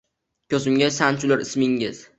Koʻzimga sanchilur ismingiz.